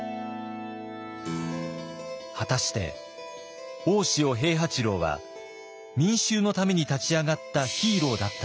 果たして大塩平八郎は民衆のために立ち上がったヒーローだったのか？